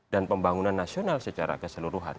dan pembangunan nasional secara keseluruhan